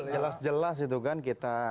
jelas jelas itu kan kita